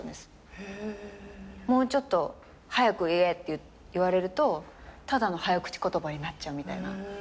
「もうちょっとはやく言え」って言われるとただの早口言葉になっちゃうみたいな。